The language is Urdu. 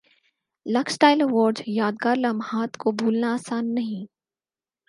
لکس اسٹائل ایوارڈ یادگار لمحات کو بھولنا اسان نہیں